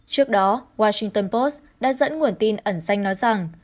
trước đó washington post đã dẫn nguồn tin ẩn danh nói rằng